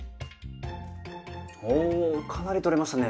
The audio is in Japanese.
おおかなり取れましたね。